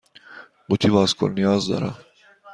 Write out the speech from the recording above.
قوطی باز کن نیاز دارم.